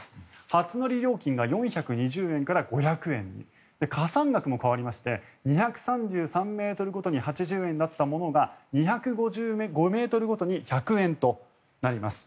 初乗り料金が４２０円から５００円に。加算額も変わりまして２３３ｍごとに８０円だったものが２５５ｍごとに１００円となります。